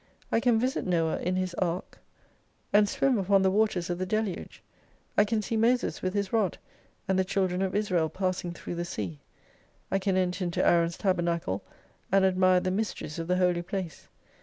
I can visit Noah in his ark, and 38 Swim upcn the watets of the deluge, i can see Moses with his rod, and the children of Israel passing through the sea ; I can enter into Aaron's Tabernacle, and admire the mysteries of the holy place.